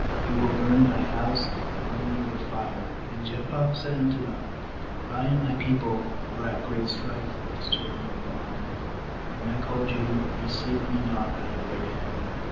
we will burn thy house upon thee with fire/ 2And Jephthah said unto them: 'I and my people were at great strife with the children of Ammon; and when I called you, ye saved me not out of their hand.